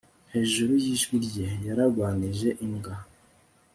hejuru yijwi rye, yarwanije imbwa